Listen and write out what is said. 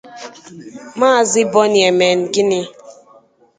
Maazị Bonny Emengini